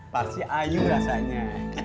pasti ayu rasanya